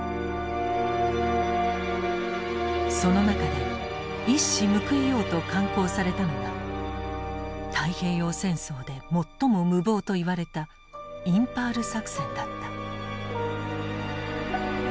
その中で一矢報いようと敢行されたのが太平洋戦争で最も無謀といわれたインパール作戦だった。